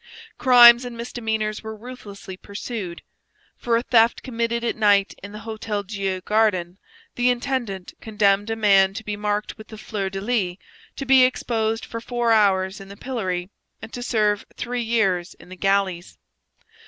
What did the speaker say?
Crimes and misdemeanours were ruthlessly pursued. For a theft committed at night in the Hotel Dieu garden, the intendant condemned a man to be marked with the fleur de lis, to be exposed for four hours in the pillory, and to serve three years in the galleys.